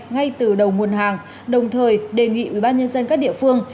ngay từ đầu nguồn hàng đồng thời đề nghị ubnd các địa phương